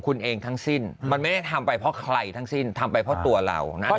คุณเองทั้งสิ้นมันไม่ได้ทำไปเพราะใครทั้งสิ้นทำไปเพราะตัวเรานะ